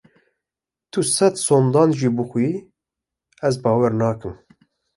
Tu sed sondan jî bixwî ez bawer nakim.